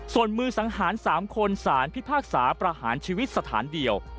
ส่วนมือสังหาร๓คนสารพิพากษาประหารชีวิตสถานเดียว